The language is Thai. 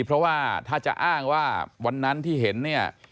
เพราะว่าถ้าจะอ้างว่าวันนั้นที่เห็นเนี่ย